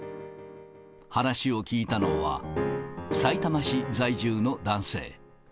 話を聞いたのは、さいたま市在住の男性。